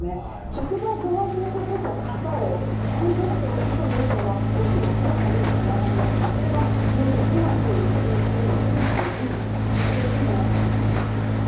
職場側もそれこそ型をたくさん持っておくというのは組織の強さにもつながりますしそれは、気負うことなく育休を取れる空気にも直結していくんだなと感じました。